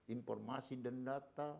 informasi dan data